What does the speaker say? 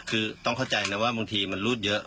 คือต้องเข้าใจนะว่าบางทีมันรูดเยอะ